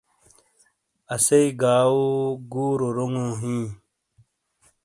اسئی گاؤ گُورو رونگو ہی۔